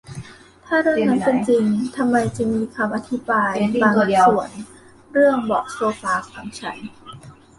ถ้าเรื่องนั้นเป็นจริง ทำไมจึงมีคำอธิบายบางส่วนเรื่องเบาะโซฟาของฉัน